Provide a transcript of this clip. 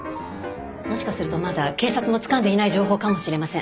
もしかするとまだ警察もつかんでいない情報かもしれません。